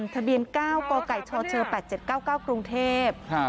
ทะเบียน๙กกชช๘๗๙๙กรุงเทพฯ